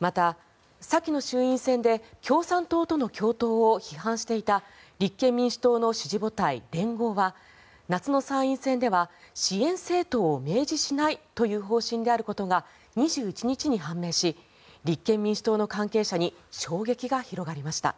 また先の衆院選で共産党との共闘を批判していた立憲民主党の支持母体、連合は夏の参院選では支援政党を明示しないという方針であることが２１日に判明し立憲民主党の関係者に衝撃が広がりました。